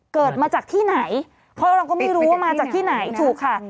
เกิดมาจากที่ไหนเพราะเราก็ไม่รู้ว่ามาจากที่ไหนถูกค่ะ